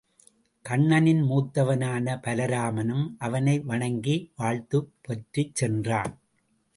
கண்ணனின் மூத்தவனான பலராமனும் அவனை வணங்கி வாழ்த்துப் பெற்றுச் சென் றான்.